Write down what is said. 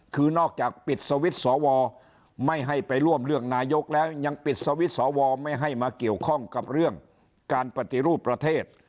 คือนอกจากปิดสวิตช์สวไม่ให้ไปร่วมเรื่องนายกแล้วยังปิดสวิตช์สวไม่ให้มาเกี่ยวข้องกับเรื่องการปฏิรูปประเทศ